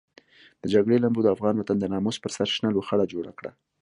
د جګړې لمبو د افغان وطن د ناموس پر سر شنه لوخړه جوړه کړه.